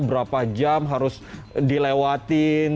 berapa jam harus dilewatin